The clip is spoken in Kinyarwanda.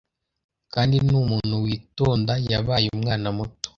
kandi ni umuntu witondaYabaye umwana muto